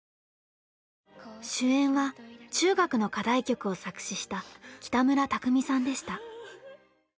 主演は中学の課題曲を作詞した北村匠海さんでした。